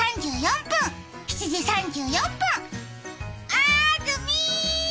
あーずみー。